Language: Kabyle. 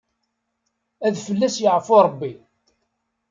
Ad fell-as yeɛfu Ṛebbi.